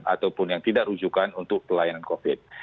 ataupun yang tidak rujukan untuk pelayanan covid